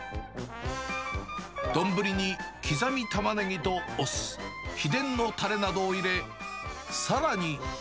丼に刻みタマネギとお酢、秘伝のたれなどを入れ、さらに。